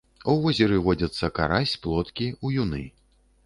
У возеры водзяцца карась, плоткі, уюны.